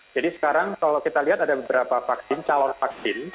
jadi sekarang kalau kita lihat ada beberapa vaksin calon vaksin